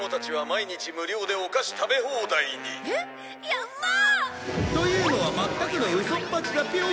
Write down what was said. やったあ！というのはまったくのウソっぱちだぴょん！